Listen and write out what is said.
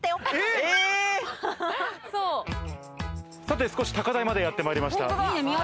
さて少し高台までやってまいりました。